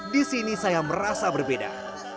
di sini saya merasa berbeda